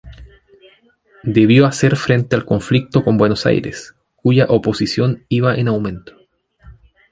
Debió hacer frente al conflicto con Buenos Aires, cuya oposición iba en aumento.